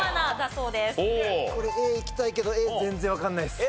これＡいきたいけどＡ全然わかんないです。